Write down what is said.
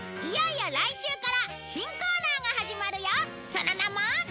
その名も。